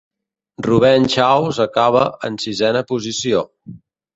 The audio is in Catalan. Rubèn Xaus acabà en sisena posició.